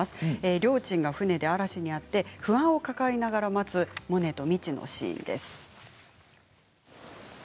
りょーちんが船で嵐にあって不安を抱えながら待つモネと未知のシーンです。